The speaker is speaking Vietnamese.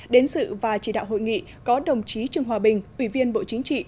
đến sự và chỉ đạo hội nghị có đồng chí trương hòa bình ủy viên bộ chính trị